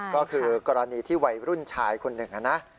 ก็คือกรณีที่วัยรุ่นชายคนหนึ่งนะ